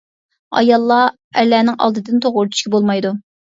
ئاياللار ئەرلەرنىڭ ئالدىدىن توغرا ئۆتۈشكە بولمايدۇ.